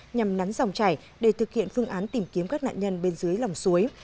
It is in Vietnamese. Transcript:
nhằm nắn dòng chảy để thực hiện phương án tìm kiếm các nạn nhân bên dưới lòng suối